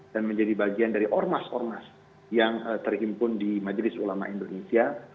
dan menjadi bagian dari ormas ormas yang terhimpun di majelis ulama indonesia